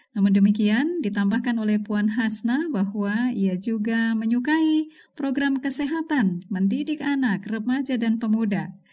namun demikian ditambahkan oleh puan hasnah bahwa ia juga menyukai program kesehatan mendidik anak remaja dan pemuda